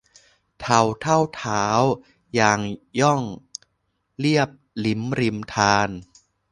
เทาเท่าเท้ายางหย้อง เลียบลิ้มริมธาร